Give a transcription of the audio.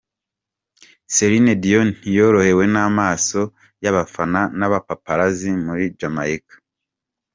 Celine Dion ntiyorohewe n'amaso y'bafana n'abapaparazzi muri Jamaica.